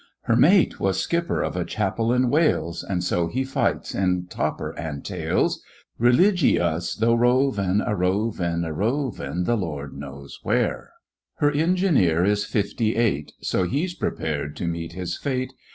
Her mate was skipper of a chapel in Wales^ And so he fights in topper and tails, Religi ous tho' rovin", etc. 3 4 THE FRINGES OF THE FLEET Her engineer is fifty eight. So he's prepared to meet his fate.